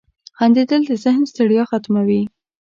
• خندېدل د ذهن ستړیا ختموي.